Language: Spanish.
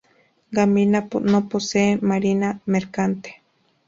Gambia no posee marina mercante.